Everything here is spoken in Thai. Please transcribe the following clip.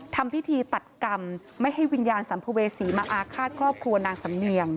ทำพิธีตัดกรรมไม่ให้วิญญาณสัมภเวษีมาอาฆาตครอบครัวนางสำเนียง